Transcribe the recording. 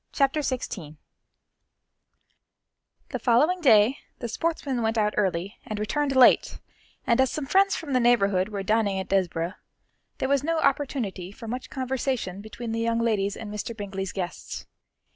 Chapter XVI The following day the sportsmen went out early and returned late, and as some friends from the neighbourhood were dining at Desborough, there was no opportunity for much conversation between the young ladies and Mr. Bingley's guests.